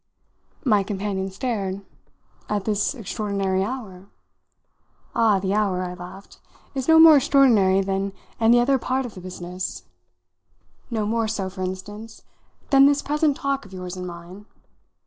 My companion stared. "At this extraordinary hour?" "Ah, the hour," I laughed, "is no more extraordinary than any other part of the business: no more so, for instance, than this present talk of yours and mine.